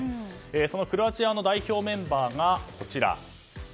そのクロアチアの代表メンバーがこちら。